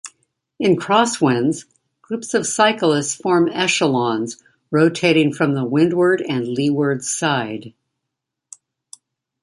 In crosswinds, groups of cyclists form 'echelons', rotating from the windward and leeward side.